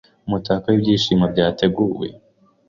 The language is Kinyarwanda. Umutako mubyishimo byateguwe